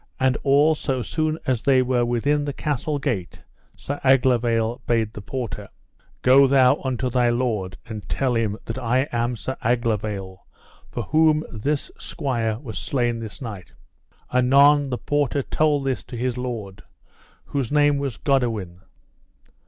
And all so soon as they were within the castle gate Sir Aglovale bade the porter: Go thou unto thy lord and tell him that I am Sir Aglovale for whom this squire was slain this night. Anon the porter told this to his lord, whose name was Goodewin.